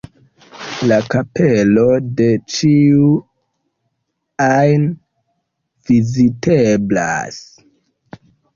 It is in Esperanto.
La kapelo de ĉiu ajn viziteblas.